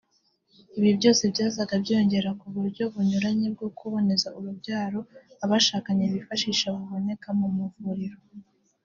Ibi byose byazaga byiyongera ku buryo bunyuranye bwo kuboneza urubyaro abashakanye bifashisha buboneka mu mavuriro